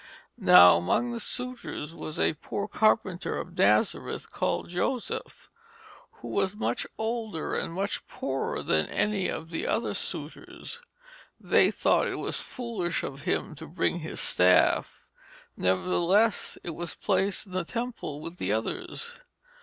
Now among the suitors was a poor carpenter of Nazareth called Joseph, who was much older and much poorer than any of the other suitors. They thought it was foolish of him to bring his staff, nevertheless it was placed in the temple with the others.